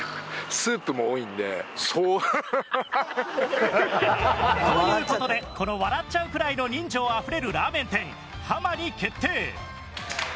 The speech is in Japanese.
スープも多いんで。という事でこの笑っちゃうくらいの人情あふれるラーメン店はまに決定。